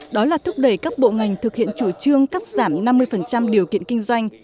đó là thúc đẩy các bộ ngành thực hiện chủ trương cắt giảm năm mươi điều kiện kinh doanh